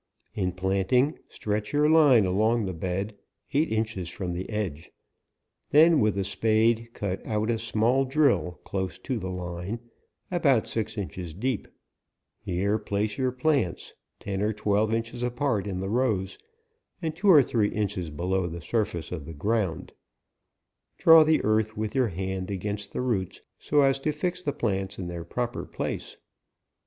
In planting, stretch your line along the bed, eight inches from the edge. Then with a spade, cut out a small drill, close to the line, about six inches deep ; here place your plants, ten or twelve inches apart in the rows, and two or three inches below the sur face of the ground ; draw the earth with your hand against the roots, so as to fix the plants in their proper place.